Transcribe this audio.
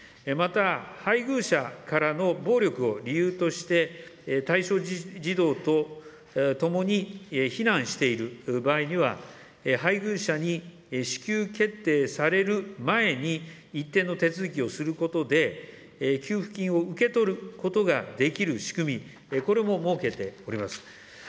また、配偶者からの暴力を理由として、対象児童と共に避難している場合には、配偶者に支給決定される前に、一定の手続きをすることで、給付金を受け取ることができる仕組み、これも設けております。